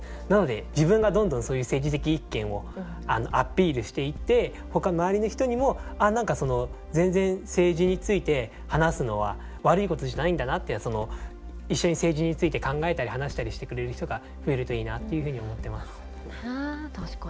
なので自分がどんどん政治的意見をアピールしていってほかの周りの人にも何かその全然政治について話すのは悪いことじゃないんだなっていうのは一緒に政治について考えたり話したりしてくれる人が増えるといいなっていうふうに思ってます。